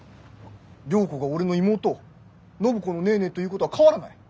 良子が俺の妹暢子のネーネーということは変わらない。